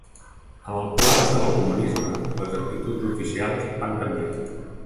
Amb el col·lapse del comunisme, les actituds oficials van canviar.